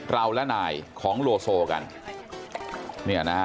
เราและนายของโลโซกัน